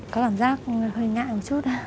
có cảm giác hơi ngại một chút